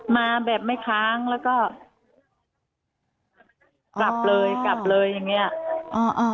มาแบบไม่ค้างแล้วก็กลับเลยอย่างนี้อะ